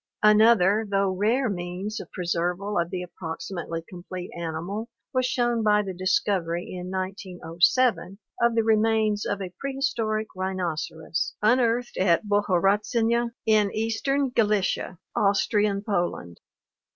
Another though rare means of preserval of the approximately complete animal was shown by the discovery in 1907 of the remains of a prehistoric rhinoceros, unearthed at Bohorodczany in eastern Galicia, Austrian Poland.